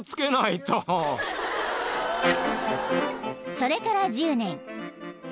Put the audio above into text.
［それから１０年］